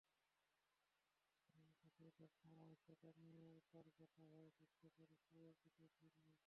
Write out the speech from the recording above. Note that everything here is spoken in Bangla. বাসে ওঠার সময় সেটা নিয়েও তাঁর কথা হয়ে থাকতে পারে কোচের সঙ্গে।